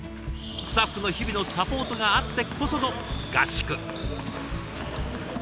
スタッフの日々のサポートがあってこその合宿。